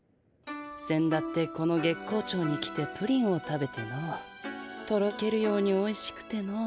せんだってこの月光町に来てプリンを食べてのとろけるようにおいしくての。